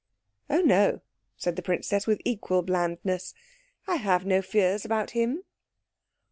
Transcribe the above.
"Oh no," said the princess with equal blandness; "I have no fears about him."